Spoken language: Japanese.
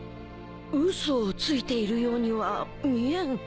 嘘をついているようには見えん